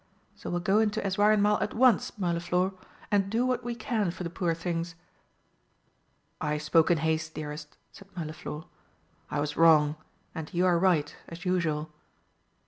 So we'll go into Eswareinmal at once, Mirliflor, and do what we can for the poor things." "I spoke in haste, dearest," said Mirliflor. "I was wrong, and you are right as usual."